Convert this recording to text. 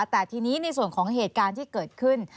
แต่ทีนี้ในส่วนของเหตุการณ์ที่เกิดขึ้น